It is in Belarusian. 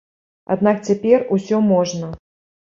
Аднак цяпер усё можна.